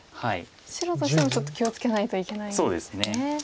白としてもちょっと気を付けないといけないんですね。